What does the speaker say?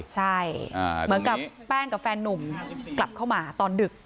ใช่เหมือนกับแป้งกับแฟนนุ่มกลับเข้ามาตอนดึก